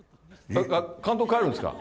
監督、帰るんですか？